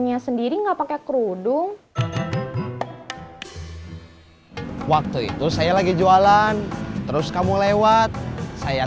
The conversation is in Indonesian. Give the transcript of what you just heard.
tahu dari mana saya begitu temen saya